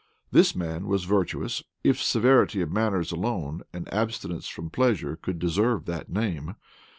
This man was virtuous, if severity of manners alone, and abstinence from pleasure, could deserve that name.